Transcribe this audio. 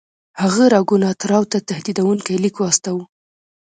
هغه راګونات راو ته تهدیدونکی لیک واستاوه.